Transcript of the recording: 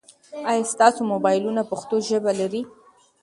آیا ستاسو موبایلونه پښتو ژبه لري؟